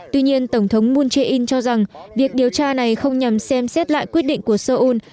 tuy nhiên tổng thống moon jae in cho rằng việc điều tra này không nhằm xem xét lại quyết định của seoul